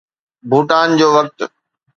ڀوٽان جو وقت